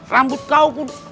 rambut kau pun